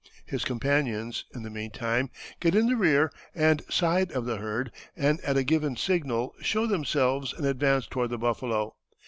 His companions, in the meantime, get in the rear and side of the herd, and at a given signal show themselves and advance toward the buffalo.